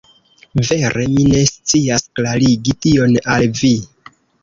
Vere, mi ne scias klarigi tion al vi.